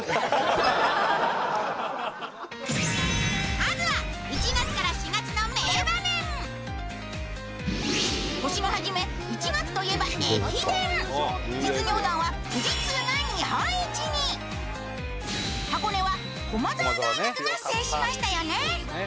まずは１月から４月の名場面年の初め１月といえば駅伝実業団は富士通が日本一に箱根は駒澤大学が制しましたよね